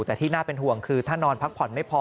แต่ที่น่าเป็นห่วงคือถ้านอนพักผ่อนไม่พอ